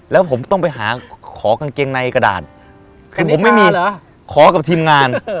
แล้วผมต้องไปหาขอกางเกงในกระดาษคือผมไม่มีขอกับทีมงาน